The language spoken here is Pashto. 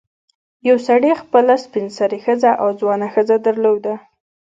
یو سړي خپله سپین سرې ښځه او ځوانه ښځه درلوده.